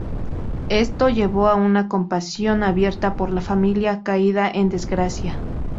Esto llevó a una compasión abierta por la familia caída en desgracia.